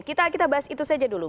kita bahas itu saja dulu